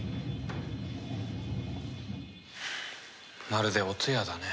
まるでお通夜だね。